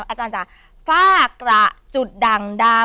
อาจารย์จ๋าฝ้ากระจุดดั่งดำ